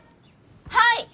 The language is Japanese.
・はい！